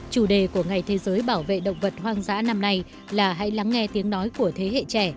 chủ đề của ngày thế giới bảo vệ động vật hoang dã năm nay là hãy lắng nghe tiếng nói của thế hệ trẻ